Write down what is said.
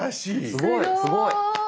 すごいすごい！